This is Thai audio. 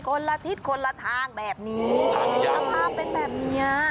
ละทิศคนละทางแบบนี้สภาพเป็นแบบเนี้ย